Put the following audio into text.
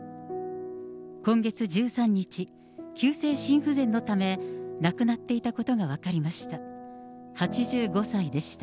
今月１３日、急性心不全のため亡くなっていたことが分かりました。